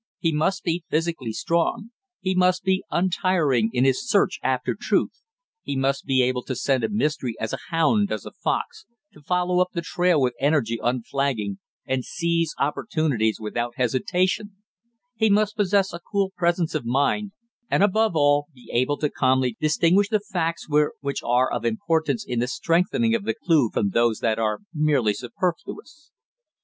He must be physically strong; he must be untiring in his search after truth; he must be able to scent a mystery as a hound does a fox, to follow up the trail with energy unflagging, and seize opportunities without hesitation; he must possess a cool presence of mind, and above all be able to calmly distinguish the facts which are of importance in the strengthening of the clue from those that are merely superfluous.